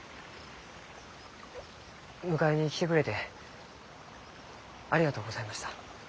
迎えに来てくれてありがとうございました。